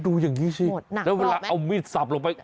ดูอย่างนี้สิหมดหนักรอบไหมแล้วเวลาเอามีดสับลงไป